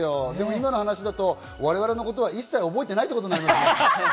今の話だと、我々のことは一切覚えてないってことになりますね。